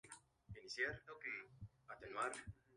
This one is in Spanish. Un programa televisivo, dirigido principalmente a los jóvenes.